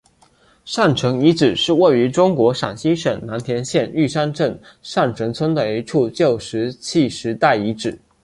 上陈遗址是位于中国陕西省蓝田县玉山镇上陈村的一处旧石器时代遗址。